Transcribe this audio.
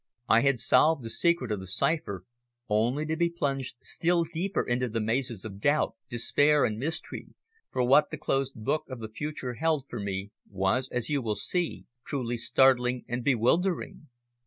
I had solved the secret of the cipher only to be plunged still deeper into the mazes of doubt, despair and mystery, for what the closed book of the future held for me, was as you will see, truly startling and bewildering.